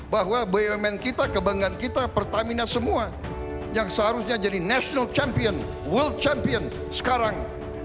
bahwa bumn kita kebanggaan kita pertamina semua yang seharusnya jadi national champion world champion sekarang